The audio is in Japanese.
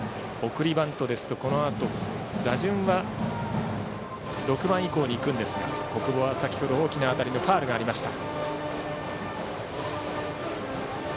送りバントですとこのあと打順は６番以降にいくんですが小久保は先程大きな当たりのファウルがありました。